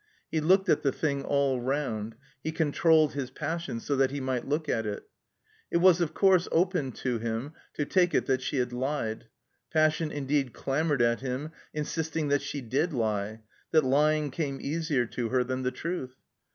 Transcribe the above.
He looked at the thing all round; he controlled his passion so that he might look at it. It was of course open to him to take it that she had Ued. Passion indeed clamored at him, insisting that she did lie, that lying came easier to her than the truth.